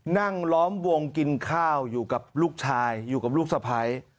นั่งล้อมวงกินข้าวอยู่กับลูกชายอยู่กับลูกสะพ้าย